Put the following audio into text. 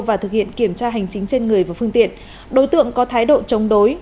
và thực hiện kiểm tra hành chính trên người và phương tiện đối tượng có thái độ chống đối